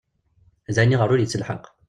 D ayen iɣer ur yettelḥaq.